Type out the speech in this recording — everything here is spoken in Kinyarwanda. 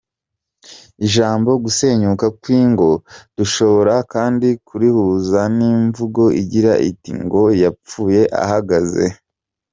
Ijambo “gusenyuka kw’ingo” dushobora kandi kurihuza n’imvugo igira iti ngo “Yapfuye ahagaze”.